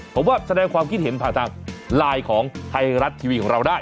ผมว่าแสดงความคิดเห็นผ่านทางไลน์ของไทยรัฐทีวีของเราได้